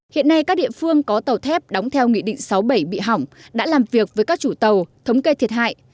hiện nay các địa phương có tàu thép đóng theo nghị định sáu bảy bị hỏng đã làm việc với các chủ tàu thống kê thiệt hại